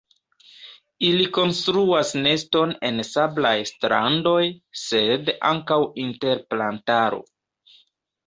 Ili konstruas neston en sablaj strandoj sed ankaŭ inter plantaro.